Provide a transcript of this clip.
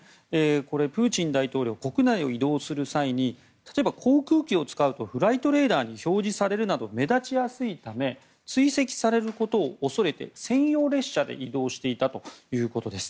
これ、プーチン大統領国内を移動する際に例えば航空機を使うとフライトレーダーに表示されるなど目立ちやすいため追跡されることを恐れて専用列車で移動していたということです。